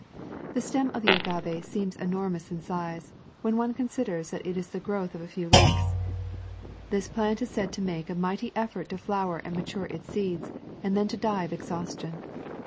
The stem of the agave seems enormous in size when one considers that it is the growth of a few weeks. This plant is said to make a mighty effort to flower and mature its seeds and then to die of exhaustion.